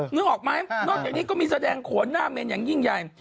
นึกออกไหมนอกจากนี้ก็มีแสดงโขนหน้าเมนอย่างยิ่งใหญ่